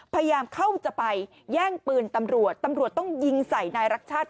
พยายามเข้าจะไปแย่งปืนตำรวจตำรวจต้องยิงใส่นายรักชาติ